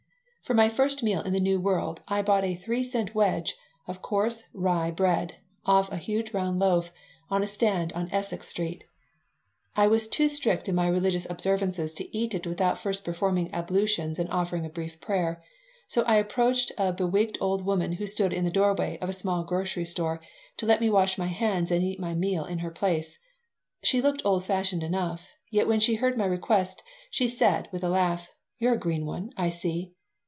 For my first meal in the New World I bought a three cent wedge of coarse rye bread, off a huge round loaf, on a stand on Essex Street. I was too strict in my religious observances to eat it without first performing ablutions and offering a brief prayer. So I approached a bewigged old woman who stood in the doorway of a small grocery store to let me wash my hands and eat my meal in her place. She looked old fashioned enough, yet when she heard my request she said, with a laugh: "You're a green one, I see."